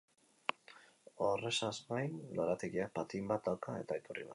Horrezaz gain, lorategiak patin bat dauka, eta iturri bat.